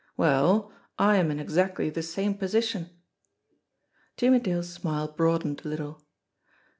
Well, I am in exactly the same position." Jimmie Dale's smile broadened a little.